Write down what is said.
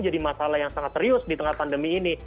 jadi masalah yang sangat serius di tengah pandemi ini